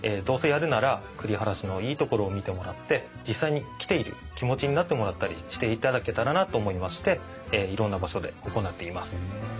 どうせやるなら栗原市のいいところを見てもらって実際に来ている気持ちになってもらったりしていただけたらなと思いましていろんな場所で行っています。